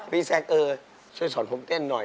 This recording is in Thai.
พี่แซกช่วยสอนผมเต้นหน่อย